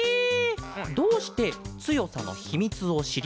どうしてつよさのひみつをしりたいケロ？